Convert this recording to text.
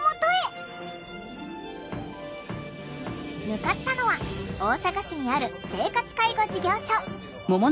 向かったのは大阪市にある生活介護事業所。